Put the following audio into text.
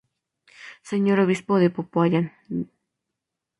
Sr. Obispo de Popayán, Dr. Dn.